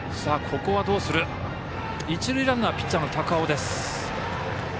一塁ランナーピッチャーの高尾です。